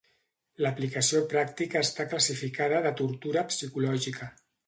L'aplicació pràctica està classificada de tortura psicològica.